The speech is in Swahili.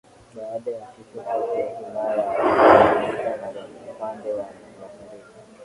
Baada ya kifo chake himaya iligawanyika na upande wa mashariki